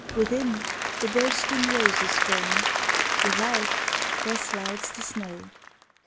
Within, the bursting roses burn, Without, there slides the snow.